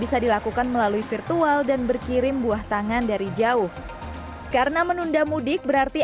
bisa dilakukan melalui virtual dan berkirim buah tangan dari jauh karena menunda mudik berarti